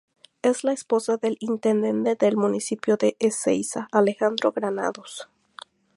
Es la esposa del Intendente del Municipio de Ezeiza, Alejandro Granados.